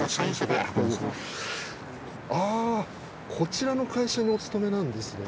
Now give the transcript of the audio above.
ああこちらの会社にお勤めなんですね。